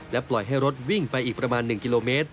ปล่อยให้รถวิ่งไปอีกประมาณ๑กิโลเมตร